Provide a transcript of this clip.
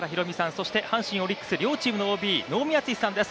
そして阪神、オリックス両チームのＯＢ能見篤史さんです。